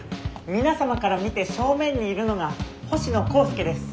皆様から見て正面にいるのが星野光助です。